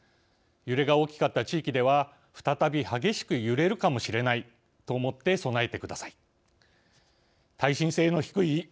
揺れが大きかった地域では再び激しく揺れるかもしれないと思って備えてください。